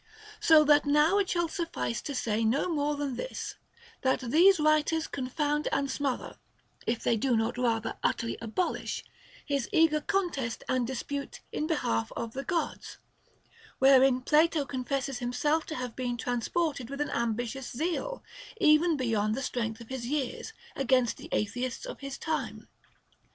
So that now it shall suffice to say no more than this, that these writers confound and smother (if they do not rather utterly abolish) his eager contest and dispute in behalf of the Gods, wherein Plato confesses himself to have been transported with an ambitious zeal, even beyond the strength of his years, against the atheists of his time.